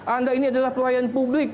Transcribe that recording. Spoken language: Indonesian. anda ini adalah pelayan publik